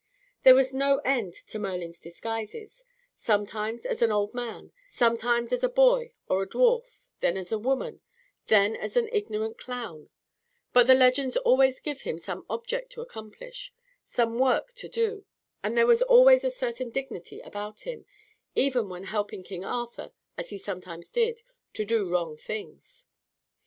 There was no end to Merlin's disguises sometimes as an old man, sometimes as a boy or a dwarf, then as a woman, then as an ignorant clown; but the legends always give him some object to accomplish, some work to do, and there was always a certain dignity about him, even when helping King Arthur, as he sometimes did, to do wrong things.